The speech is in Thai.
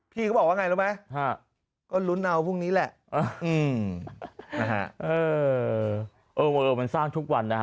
เขาบอกว่าไงรู้ไหมก็ลุ้นเอาพรุ่งนี้แหละเออมันสร้างทุกวันนะฮะ